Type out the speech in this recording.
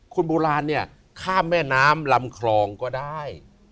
คนโบราณเนี่ยข้ามแม่น้ำลำคลองก็ได้